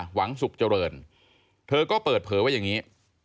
หวังสุขเจริญเธอก็เปิดเผยว่าอย่างนี้